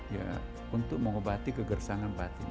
ya untuk mengobati kegersangan batin